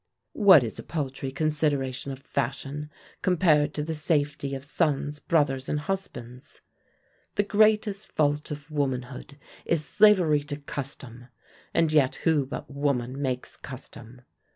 What is a paltry consideration of fashion, compared to the safety of sons, brothers, and husbands? The greatest fault of womanhood is slavery to custom; and yet who but woman makes custom?